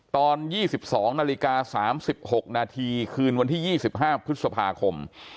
ตอน๒๒นาฬิกา๓๖นาทีคืนวันที่๒๕พฤษภาคม